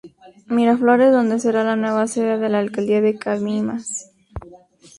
Miraflores donde será la nueva sede de la Alcaldía de Cabimas.